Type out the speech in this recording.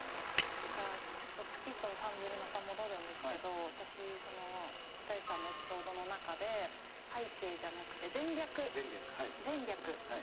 だからちょっと『月と散文』にまた戻るんですけど私又吉さんのエピソードの中で『拝啓』じゃなくて『前略』『前略』はい。